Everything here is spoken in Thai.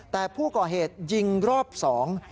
แต่ผู้ก่อเหตุยิงรอบสอง